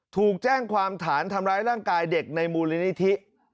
ถูกแจ้งความฐานทำร้ายร่างกายเด็กในมูลนิธิ